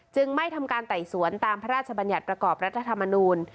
ไม่ทำการไต่สวนตามพระราชบัญญัติประกอบรัฐธรรมนูล